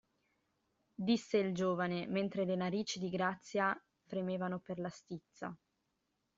Disse il giovane, mentre le narici di Grazia fremevano per la stizza.